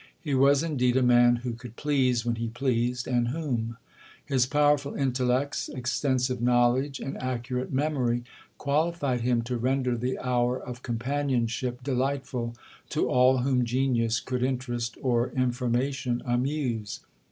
He was indeed a man who could please when he pleased, and whom. His powerful intellects, extensive knowledge, and accurate memory, qualified him to render the hour of companionship delightful to all whom genius could interest, or information amuse.